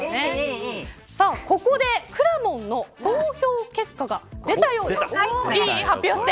ここで、くらもんの投票結果が出たそうです。